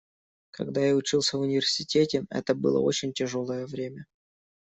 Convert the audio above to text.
Когда я учился в университете, это было очень тяжелое время.